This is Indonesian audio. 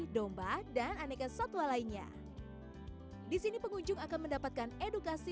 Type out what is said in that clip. domba dan aneka satwa lainnya di sini pengunjung akan mendapatkan edukasi